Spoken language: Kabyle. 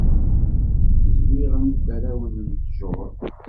Zwiɣen yiferrawen n ttjur.